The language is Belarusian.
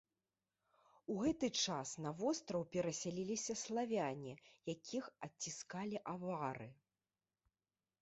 У гэты час на востраў перасяляліся славяне, якіх адціскалі авары.